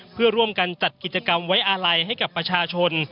เพื่อร่วมกันจัดกิจกรรมไว้อาลัยให้กับประชาชน